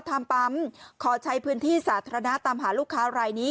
ทำปั๊มขอใช้พื้นที่สาธารณะตามหาลูกค้ารายนี้